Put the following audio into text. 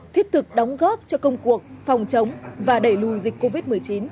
thiết thực đóng góp cho công cuộc phòng chống và đẩy lùi dịch covid một mươi chín